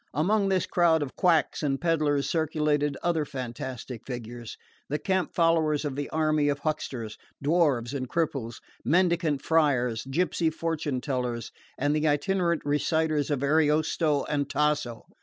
Among this mob of quacks and pedlars circulated other fantastic figures, the camp followers of the army of hucksters: dwarfs and cripples, mendicant friars, gypsy fortune tellers, and the itinerant reciters of Ariosto and Tasso.